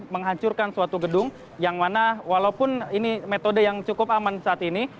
menghancurkan suatu gedung yang mana walaupun ini metode yang cukup aman saat ini